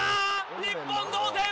日本同点。